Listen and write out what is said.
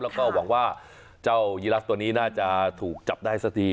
แล้วก็หวังว่าเจ้ายีลักษณ์ตัวนี้น่าจะถูกจับได้สักที